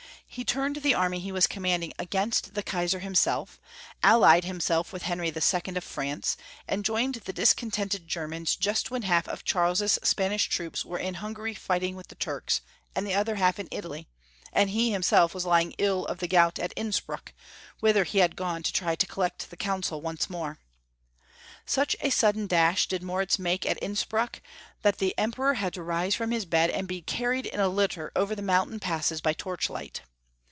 He turned the army he was commanding against the Kaisar himself, allied himself with Henry II. of France, and joined the discontented Germans just when half of Charles's Spanish troops were in Hungary fighting with the Turks, and the other half in Italy, and he himself was lying ill of the f gout at Innspruck, whither he had gone to try to collect the Council once more. Such a sudden dash did Moritz make at Innspruck that the Em peror had to rise from his bed, and be carried in a litter over the mountain passes by torchlight.